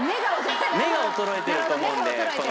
目が衰えてると思うんでその。